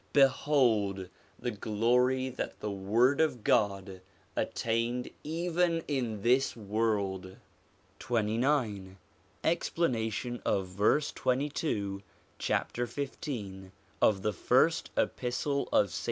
Behold the glory that the Word of God attained even in this world ' XXIX EXPLANATION OF VERSE TWENTY TWO, CHAPTER FIFTEEN, OF THE FIRST EPISTLE OF ST.